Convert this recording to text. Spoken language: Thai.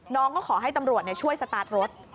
น้องก็ขอให้ตำรวจช่วยสตาร์ทรถ